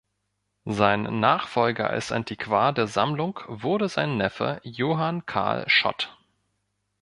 Sein Nachfolger als Antiquar der Sammlung wurde sein Neffe Johann Carl Schott.